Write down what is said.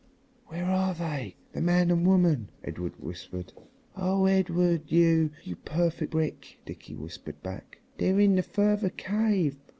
"Where are they the man and woman?" Edred whispered. "Oh, Edred! You! You perfect brick!" Dickie whispered back. "They're in the further cave.